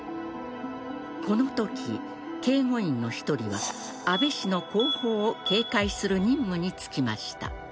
このとき、警護員の１人は安倍氏の後方を警戒する任務に就きました。